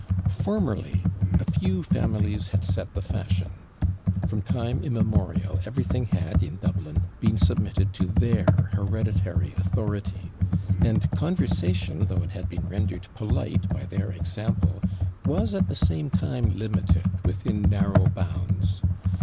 'Formerly, a few families had set the fashion. From time immemorial everything had, in Dublin, been submitted to their hereditary authority; and conversation, though it had been rendered polite by their example, was, at the same time, limited within narrow bounds.